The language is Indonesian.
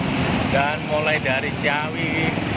kemacetan terjadi mulai dari jalan raya raja pola hingga tengah tengah